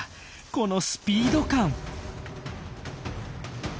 このスピード感！